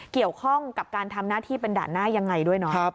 เกี่ยวข้องกับการทำหน้าที่เป็นด่านหน้ายังไงด้วยเนาะ